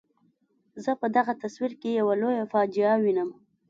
زه په دغه تصویر کې یوه لویه فاجعه وینم.